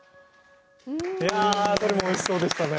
どれもおいしそうでしたね。